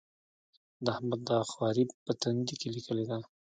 د احمد دا خواري په تندي کې ليکلې ده.